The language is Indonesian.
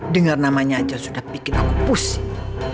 dengar namanya aja sudah bikin aku pusing